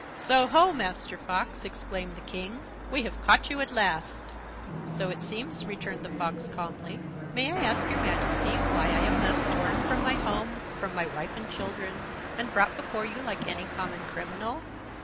"So ho! Master Fox," exclaimed the King, "we have caught you at last." "So it seems," returned the Fox, calmly. "May I ask your Majesty why I am thus torn from my home, from my wife and children, and brought before you like any common criminal?"